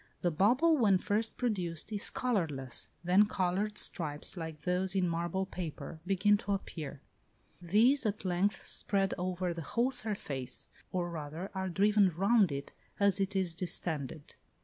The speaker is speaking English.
The bubble when first produced is colourless; then coloured stripes, like those in marble paper, begin to appear: these at length spread over the whole surface, or rather are driven round it as it is distended.